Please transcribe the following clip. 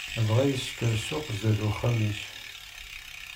Dɣa yesker ssuq sdat uxxam-is.